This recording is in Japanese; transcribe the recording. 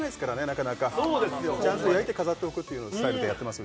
なかなかちゃんと焼いて飾っておくっていうスタイルでやってます